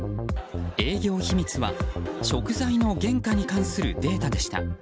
営業秘密は食材の原価に関するデータでした。